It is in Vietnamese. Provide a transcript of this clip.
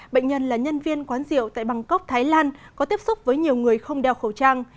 bệnh nhân là nhân viên quán rượu tại bangkok thái lan có tiếp xúc với nhiều người không đeo khẩu trang